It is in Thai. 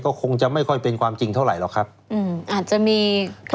ก็คงจะไม่ค่อยเป็นความจริงเท่าไหรหรอกครับอืมอาจจะมี